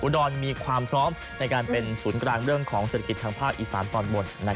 ดรมีความพร้อมในการเป็นศูนย์กลางเรื่องของเศรษฐกิจทางภาคอีสานตอนบน